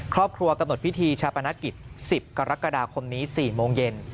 ครอบครัวกระหนดพิธีชาปนักกิจ๑๐กรกฎาคมนี้๔โมงเย็น